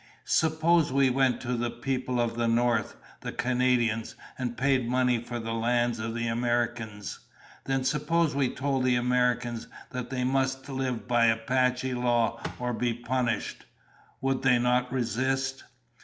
Suppose we went to the people of the north, the Canadians, and paid money for the lands of the Americans. Then suppose we told the Americans that they must live by Apache laws or be punished. Would they not resist?"